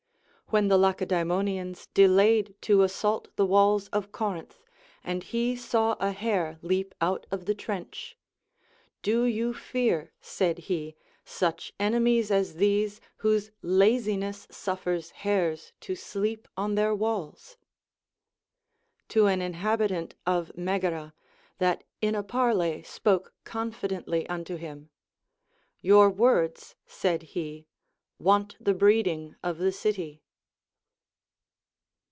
AVhen the Lacedaemonians delayed to assault the walls of Corinth, and he saw a hare leap out of the trench ; Do you fear, said he, such enemies as these, whose laziness suffers hares to sleep on their walls ? To an inhabitant of Megara, that in a parley spoke confidently unto him, Your words, said he, want the breeding of the city.